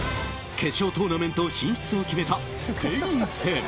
決勝トーナメント進出を決めたスペイン戦。